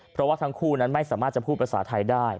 เพราะว่าทั้งคู่นั้นไม่สามารถจะพูดภาษาไทยได้